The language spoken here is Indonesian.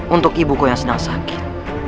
untuk ibuku yang sedang sakit